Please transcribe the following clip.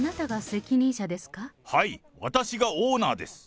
はい、私がオーナーです。